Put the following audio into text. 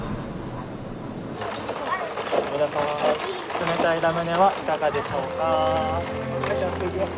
冷たいラムネはいかがでしょうか？